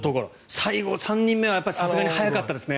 最後の３人目はさすがに速かったですね。